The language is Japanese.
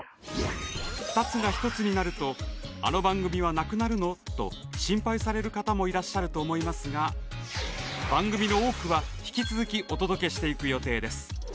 ２つが１つになるとあの番組はなくなるの？と心配される方もいらっしゃると思いますが番組の多くは、引き続きお届けしていく予定です。